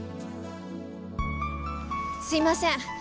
すいません。